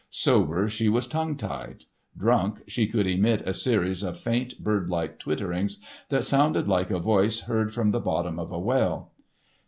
Sober, she was tongue tied—drunk, she could emit a series of faint bird like twitterings that sounded like a voice heard from the bottom of a well.